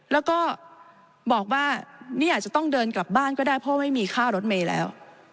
แล้วก็บอกว่านี่อาจจะต้องเดินกลับบ้านก็ได้เพราะไม่มีค่ารถเมย์แล้ว